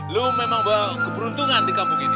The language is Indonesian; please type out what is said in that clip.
lu memang beruntungan di kampung ini